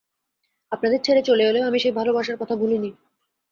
আপনাদের ছেড়ে চলে এলেও আমি সেই ভালবাসার কথা ভুলি নি।